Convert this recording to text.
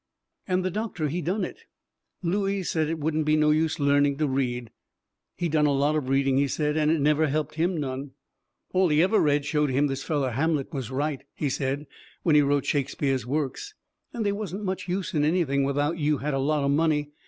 And the doctor, he done it. Looey said it wouldn't be no use learning to read. He'd done a lot of reading, he said, and it never helped him none. All he ever read showed him this feller Hamlet was right, he said, when he wrote Shakespeare's works, and they wasn't much use in anything, without you had a lot o' money.